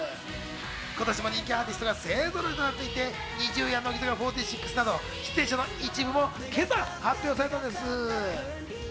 今年も人気アーティストが勢ぞろいとなっていてＮｉｚｉＵや乃木坂４６など出演者の一部も今朝発表されたんです。